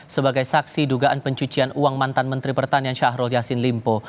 sebagai saksi dugaan pencucian uang mantan menteri pertanian syahrul yassin limpo